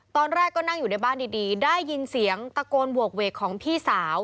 ตอนแรกก็นั่งอยู่ในบ้านดีได้ยินเสียงตะโกนโหกเวกของพี่สาว